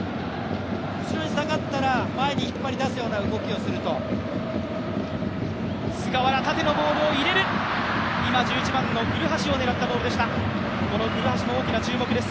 後ろに下がったら前に引っ張り出すようなプレーとこの古橋も大きな注目です。